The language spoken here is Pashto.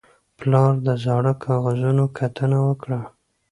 پلار د زاړه کاغذونو کتنه وکړه